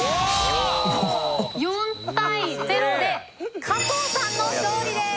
４対０で加藤さんの勝利です！